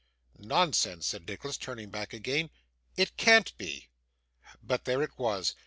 'Nonsense!' said Nicholas, turning back again. 'It can't be.' But there it was.